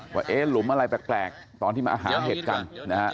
วะเอ๊หลุมอะไรแปลกตอนที่มาอาหารเหตุกันนะฮะ